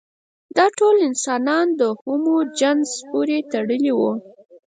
دا ټول انسانان د هومو جنس پورې تړلي وو.